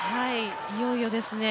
いよいよですね。